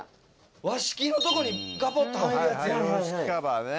和式のとこにガポっとはめるやつや。